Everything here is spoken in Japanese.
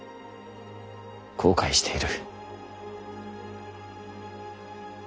後悔している。